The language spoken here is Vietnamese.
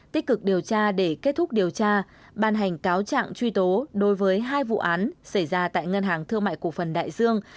tích cực điều tra để kết thúc điều tra ban hành cáo trạng truy tố đối với hai vụ án xảy ra tại ngân hàng thương mại cổ phần đại dương